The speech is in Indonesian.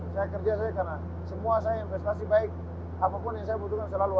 saya kerja saya karena semua saya investasi baik apapun yang saya butuhkan selalu